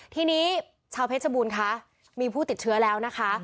ทีนี้ชาวเพชรบูรณ์คะมีผู้ติดเชื้อแล้วนะคะ